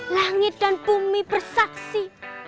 langit dan bumi bersaksi